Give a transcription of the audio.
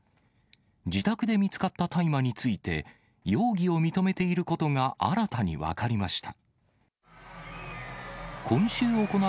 自宅で見つかった大麻について、容疑を認めていることが新たに分かりました。